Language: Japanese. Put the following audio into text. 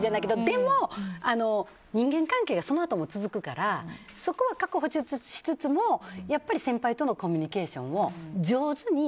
でも、人間関係がそのあとも続くからそこは確保しつつも先輩とのコミュニケーションを上手に。